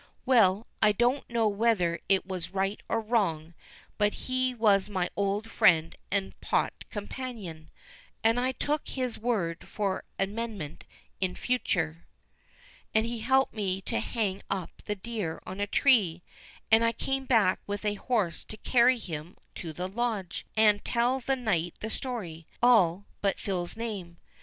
Well, I don't know whether it was right or wrong, but he was my old friend and pot companion, and I took his word for amendment in future; and he helped me to hang up the deer on a tree, and I came back with a horse to carry him to the Lodge, and tell the knight the story, all but Phil's name.